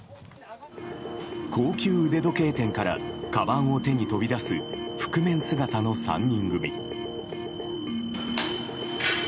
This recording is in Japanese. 高級腕時計店からかばんを手に飛び出す覆面姿の３人組。